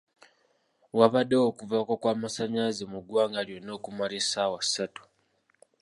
Wabaddewo okuvaako kw'amasannyalaze mu ggwanga lyonna okumala essaawa ssatu.